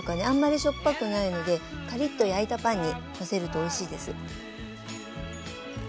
あんまりしょっぱくないのでカリッと焼いたパンにのせるとおいしいです。